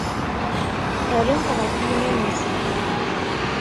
Rrant ɣef yiman-nsent.